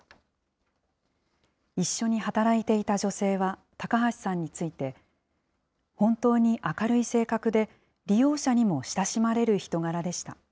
一緒に働いていた女性は高橋さんについて、本当に明るい性格で、利用者にも親しまれる人柄でした。